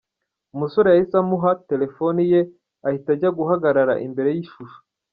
Umusore yahise amuha telefoni ye ahita ajya guhagarara imbere y’ishusho.